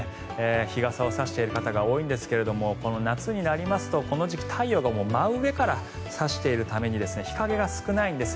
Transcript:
日傘を差している方が多いんですけれどこの夏になりますとこの時期、太陽が真上から差しているために日影が少ないんです。